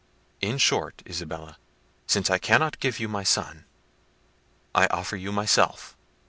In short, Isabella, since I cannot give you my son, I offer you myself."